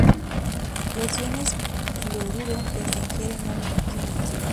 Los iones fluoruro que se ingieren no benefician a los dientes.